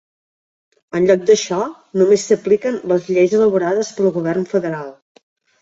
En lloc d'això, només s'apliquen les lleis elaborades pel govern federal.